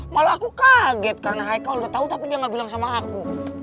malah aku kaget karena haikal udah tau tapi dia gak bilang sama aku